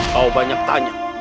kau banyak tanya